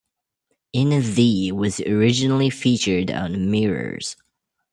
"In Thee" was originally featured on "Mirrors".